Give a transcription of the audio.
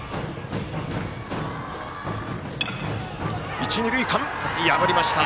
一、二塁間を破りました。